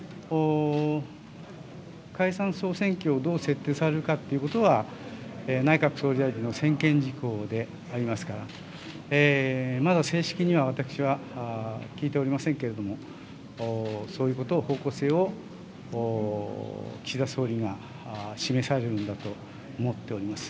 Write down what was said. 解散・総選挙をどう設定されるかということは、内閣総理大臣の専権事項でありますから、まだ正式には私は聞いておりませんけれども、そういうことを、方向性を岸田総理が示されるんだと思っております。